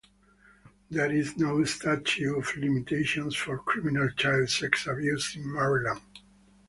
There is no statute of limitations for criminal child sex abuse in Maryland.